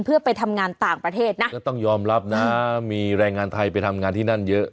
เพื่อไปทำงานต่างประเทศนะแล้วต้องยอมรับนะมีแรงงานไทยไปทำงานที่นั่นเยอะ